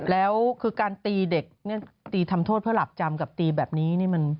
แล้วคือการตีเด็กตีทำโทษเพื่อหลับจำกับตีแบบนี้